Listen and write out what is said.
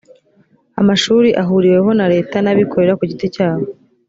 amashuri ahuriweho na leta n’abikorera ku giti cyabo